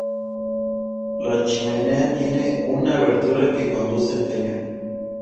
La chimenea tiene un abertura que conduce al cañón.